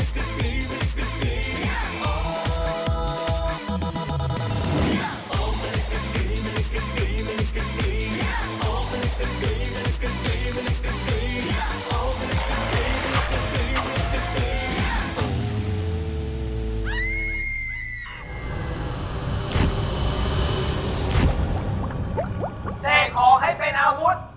เส้นของให้เป็นอาวุธ